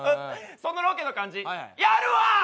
そのロケの感じやるわ。